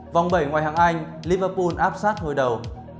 vòng bảy ngoài hàng anh liverpool áp sát hồi đầu